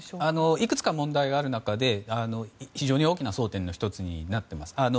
いくつか問題がある中非常に大きな争点の１つです。